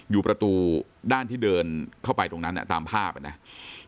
อยู่ประตูด้านที่เดินเข้าไปตรงนั้นตามภาพนะครับ